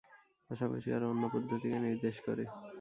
পাশাপাশি আরো অন্য পদ্ধতিকে নির্দেশ করে।